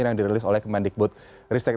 yang dirilis oleh kemandik putristek